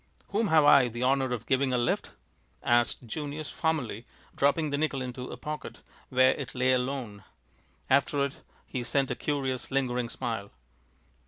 "Whom have I the honor of giving a lift?" asked Junius, formally, dropping the nickel into a pocket, where it lay alone. After it he sent a curious, lingering smile.